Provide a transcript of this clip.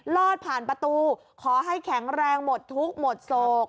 รอดผ่านประตูขอให้แข็งแรงหมดทุกข์หมดโศก